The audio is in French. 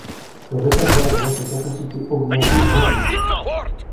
Le réservoir voit sa capacité augmentée d'un litre.